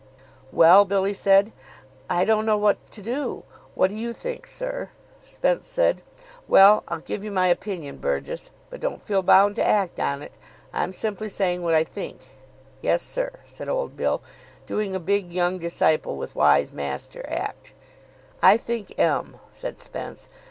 Well, Billy said, 'I don't know what to do. What do you think, sir?' Spence said, 'Well, I'll give you my opinion, Burgess, but don't feel bound to act on it. I'm simply saying what I think.' 'Yes, sir,' said old Bill, doing a big Young Disciple with Wise Master act. 'I think M.,' said Spence.